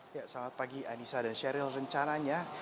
selamat pagi adisa dan sheryl rencananya